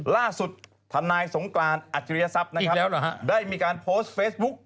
ล่าสุดธันายสงกรานอัจจิริยศัพท์ได้มีการโพสต์เฟซบุ๊ก